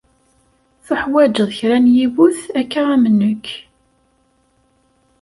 Tuḥwaǧeḍ kra n yiwet akka am nekk.